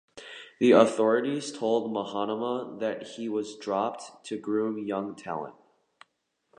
The authorities told Mahanama that he was dropped to groom young talent.